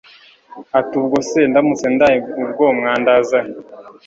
atiubwo se ndamutse ndaye ubwo mwandaza he